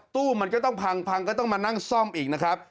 ตู้มันก็ต้องพังพังก็ต้องมานั่งซ่อมอีกนะครับ